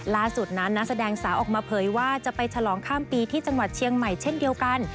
ล่าสุดนั้นนักแสดงสาวออกมาเผยว่าจะไปฉลองข้ามปีที่จังหวัดเชียงใหม่เช่นเดียวกัน